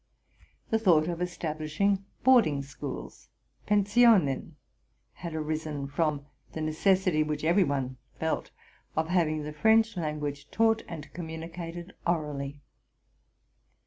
The thought of establishing boarding schools (Pensionen) had arisen from the necessity, which every one felt, of hav ing the French language taught and communicated orally.